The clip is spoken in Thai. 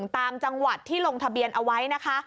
ตามจังหวัดที่ลงทะเบียนเอาไว้นะคะ